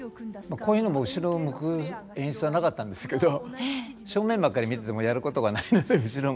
こういうのも後ろを向く演出はなかったんですけど正面ばっかり見ててもやることがないので後ろ向いて。